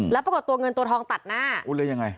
แล้วปรากฏตัวเงินตัวทองตัดหน้า